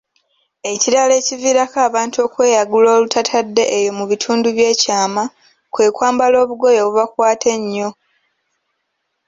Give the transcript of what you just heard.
Ekirala ekiviirako abantu okweyagula olutatadde eyo mu bitundu by'ekyama, kwe kwambala obugoye obubakwata ennyo.